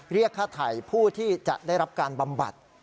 เรียกค่าไถ่ผู้ที่จะได้รับการบำบัด